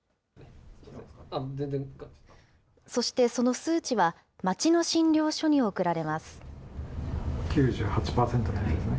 そしてその数値は、町の診療所に送られます。